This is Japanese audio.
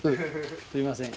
すいません